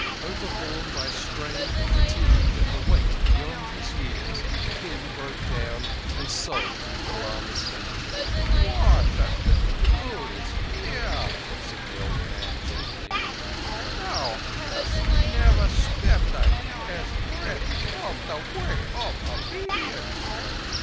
..." Overborne by strain, fatigue, and the weight beyond his years, Kim broke down and sobbed at the lama's feet. "What a to do is here!" said the old man gently. "Thou hast never stepped a hair's breadth from the Way of Obedience.